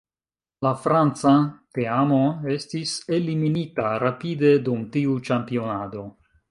La franca teamo estis eliminita rapide dum tiu ĉampionado.